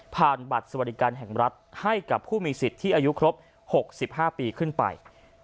ผ่านบัตรสวรรค์การแห่งรัฐให้กับผู้มีสิทธิอายุครบ๖๕ปีขึ้นไป